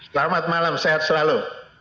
selamat malam sehat selalu